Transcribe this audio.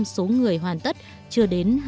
số người hoàn tất chưa đến